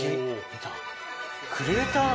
クレーター！